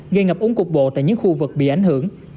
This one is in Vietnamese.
gây ngập úng cục bộ tại những khu vực bị ảnh hưởng